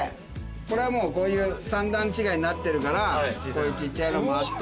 これはもうこういう３段違いになってるからこういう小っちゃいのもあって。